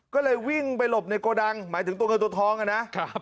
ก็เลยวิ่งไปหลบในโกดังหมายถึงตัวเงินตัวทองอะนะ